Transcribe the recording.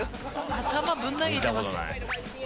頭ぶん投げてます。